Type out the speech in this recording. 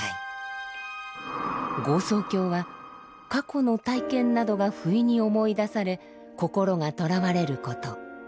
「業相境」は過去の体験などがふいに思い出され心がとらわれること。